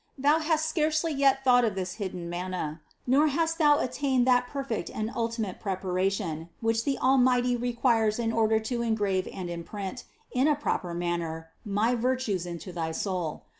Thou hast scarcely yet thought of this hidden manna, nor hast thou attained that perfect and ultimate prepara tion, which the Almighty requires in order to engrave and imprint, in a proper manner, my virtues into thy soul.